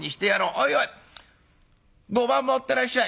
おいおい碁盤持ってらっしゃい。